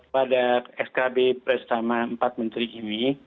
pada skb bersama empat menteri ini